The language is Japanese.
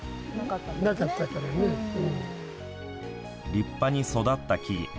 立派に育った木々。